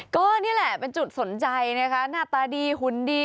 ก็นี่แหละเป็นจุดสนใจนะคะหน้าตาดีหุ่นดี